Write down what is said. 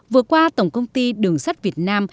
vừa qua tổng công ty đường sắt việt nam